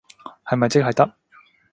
係咪即係得？